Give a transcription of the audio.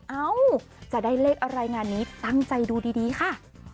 เอ้าจะได้เลขอะไรงานนี้ตั้งใจดูดีค่ะ